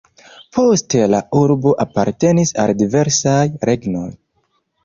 Poste la urbo apartenis al diversaj regnoj.